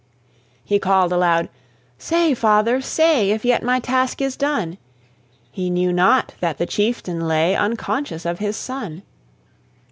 He called aloud, "Say, father, say If yet my task is done?" He knew not that the chieftain lay Unconscious of his son.